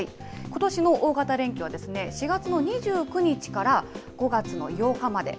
ことしの大型連休は、４月の２９日から５月の８日まで。